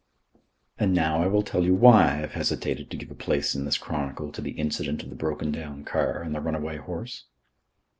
And now I will tell you why I have hesitated to give a place in this chronicle to the incident of the broken down car and the runaway horse.